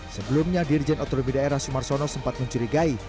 sebelumnya dirjen otonomi daerah sumarsono sempat mencurigai